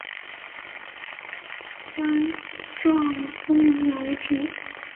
钻状风毛菊为菊科风毛菊属下的一个种。